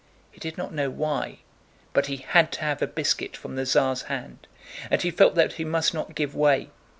He did not know why, but he had to have a biscuit from the Tsar's hand and he felt that he must not give way.